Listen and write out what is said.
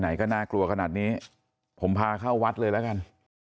ไหนก็น่ากลัวขนาดนี้ผมพาเข้าวัดเลยแล้วกัน